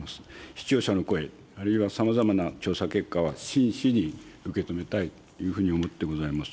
視聴者の声、あるいはさまざまな調査結果は、真摯に受け止めたいというふうに思ってございます。